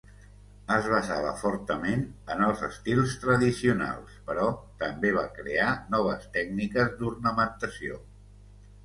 Es basava fortament en els estils tradicionals, però també va crear noves tècniques d'ornamentació.